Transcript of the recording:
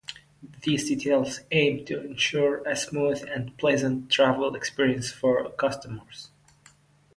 These details aim to ensure a smooth and pleasant travel experience for customers.